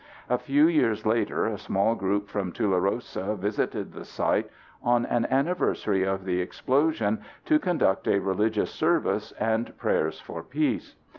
A few years later a small group from Tularosa visited the site on an anniversary of the explosion to conduct a religious service and prayers for peace.